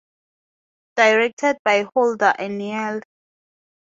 Directed by Holder and Neal.